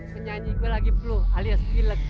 penyanyi lagi alias